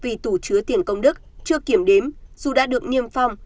vì tổ chứa tiền công đức chưa kiểm đếm dù đã được nghiêm phong